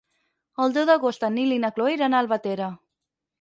El deu d'agost en Nil i na Cloè iran a Albatera.